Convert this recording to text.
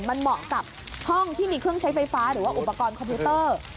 มันเหมาะกับห้องที่มีเครื่องใช้ไฟฟ้าหรือว่าอุปกรณ์คอมพิวเตอร์